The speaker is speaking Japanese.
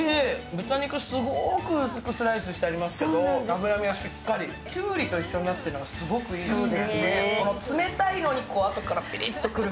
豚肉、すごーく薄くスライスしてありますけど、脂身がしっかり、きゅうりと一緒になっているのがすごくいいですね。